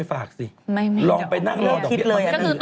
อีกสิ่งหนึ่งคืออีกหน่อยเนี่ย